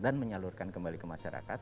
dan menyalurkan kembali ke masyarakat